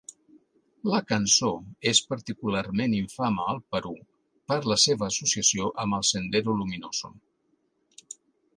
La cançó és particularment infame al Perú per la seva associació amb el Sendero Luminoso.